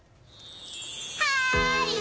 はい！